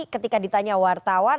ketika ditanya wartawan